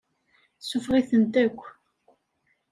Suffeɣ-itent akk.